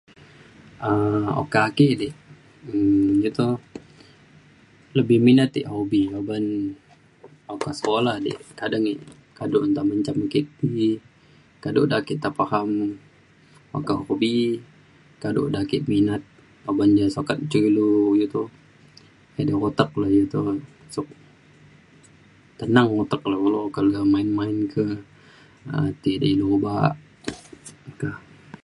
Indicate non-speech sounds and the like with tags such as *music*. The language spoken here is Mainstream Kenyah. um okaa ake di um itou lebih minat ek hobi uban ek kak sekolah odi, kadeng kado ida menjam kek ini, kado da kek faham *unintelligible* hobi , kado da kek minat, oban ea sukat gin ilu *unintelligible* otak ilu *unintelligible* tenang otak ilu , kena main - main ke ti na obak *unintelligible* ka